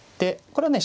これはね